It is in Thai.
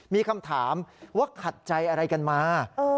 มีคำถามว่าขัดใจอะไรกันมา